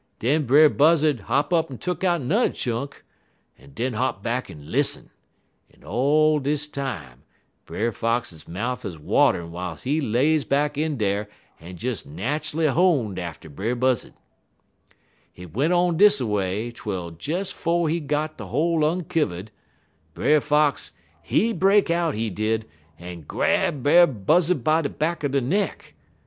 Den Brer Buzzud hop up en tuck out n'er chunk, en den hop back en lissen, en all dis time Brer Fox mouf 'uz waterin' w'iles he lay back in dar en des nat'ally honed atter Brer Buzzud. Hit went on dis a way, twel des 'fo' he got de hole unkivvud, Brer Fox, he break out he did, en grab Brer Buzzud by de back er de neck.